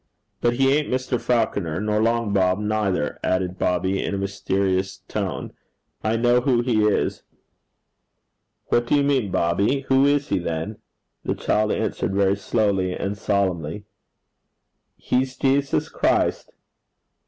But he ain't Mr. Falconer, nor Long Bob neither,' added Bobby in a mysterious tone. 'I know who he is.' 'What do you mean, Bobby? Who is he, then?' The child answered very slowly and solemnly, 'He's Jesus Christ.'